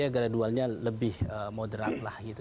karena gradualnya lebih moderat lah gitu